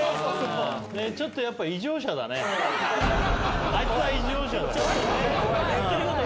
ちょっとやっぱあいつは異常者だよ。